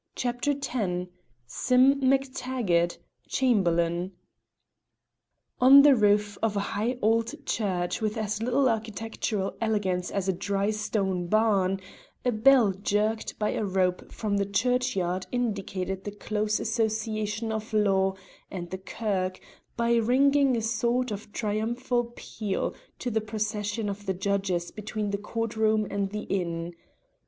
CHAPTER X SIM MACTAGGART, CHAMBERLAIN On the roof of a high old church with as little architectural elegance as a dry stone barn, a bell jerked by a rope from the church yard indicated the close association of law and the kirk by ringing a sort of triumphal peal to the procession of the judges between the court room and the inn.